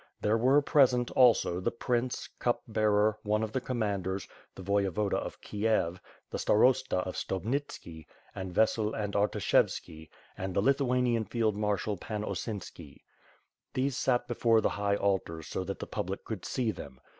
There were present, also the prince, Cup Bearer, one of the commanders, the Voyevoda of Kiev, 5i8 WITH FIRE AND SWORD, the Starosta of Stobnitski, and Vessel and Artsishevski, and the Lithuanian field marshal Pan Osinski. These sat before the high altar so that the public could see them.